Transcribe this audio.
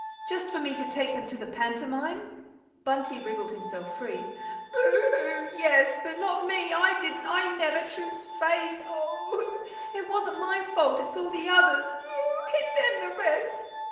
Just for me to take them to the pantomime?" Bunty wriggled himself free. "Boo hoo yes! but not me I didn't I never true's faith oh h h hoo yah! it wasn't my fault, it's all the others boo hoo hoo! hit them the rest."